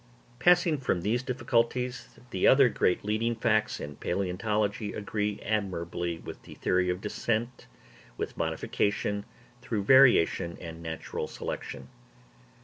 Passing from these difficulties, the other great leading facts in palæontology agree admirably with the theory of descent with modification through variation and natural selection.